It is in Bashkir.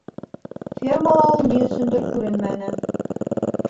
Фермала ул ни өсөндөр күренмәне.